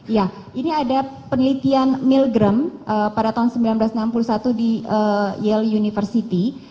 ya ini ada penelitian milgram pada tahun seribu sembilan ratus enam puluh satu di yell university